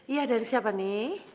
iya dan siapa ini